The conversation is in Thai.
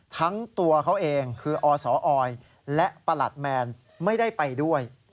ทั้งตัวเขาเองคืออสออยและประหลัดแมนไม่ได้ไปด้วย